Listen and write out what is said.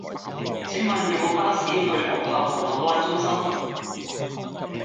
請問有無巴士去紅磡紅磡灣中心